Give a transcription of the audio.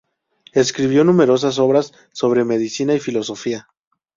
Escribió numerosas obras sobre medicina y filosofía.